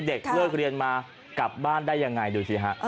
เด็กเลิกเรียนมากลับบ้านได้ยังไงดูสิฮะ